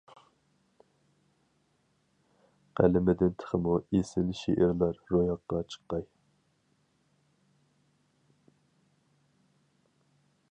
قەلىمىدىن تېخىمۇ ئېسىل شېئىرلار روياپقا چىققاي!